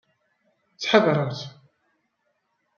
Ttḥadareɣ-t.